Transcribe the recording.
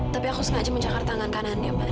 tapi aku sengaja mencakar tangan kanan ya man